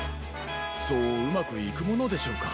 そううまくいくものでしょうか？